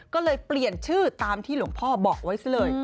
ก็เลยเปลี่ยนชื่อตามที่หลวงพ่อบอกไว้ซะเลย